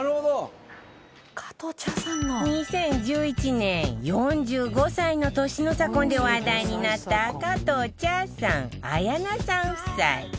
２０１１年４５歳の年の差婚で話題になった加藤茶さん・綾菜さん夫妻。